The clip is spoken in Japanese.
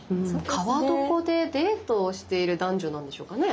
川床でデートをしている男女なんでしょうかね。